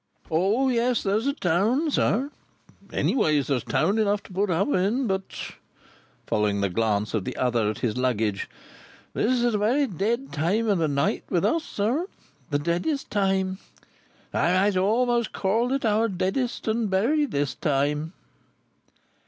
"O yes, there's a town, sir. Anyways there's town enough to put up in. But," following the glance of the other at his luggage, "this is a very dead time of the night with us, sir. The deadest time. I might a'most call it our deadest and buriedest time."